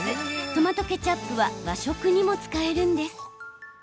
トマトケチャップは和食にも使えるんです。